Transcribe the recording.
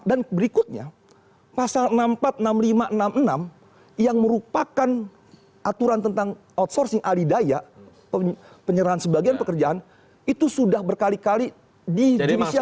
dan berikutnya pasal enam puluh empat enam puluh lima enam puluh enam yang merupakan aturan tentang outsourcing alidaya penyerahan sebagian pekerjaan itu sudah berkali kali di judicial review